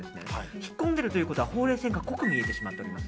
引っ込んでるということはほうれい線が濃く見えるんです。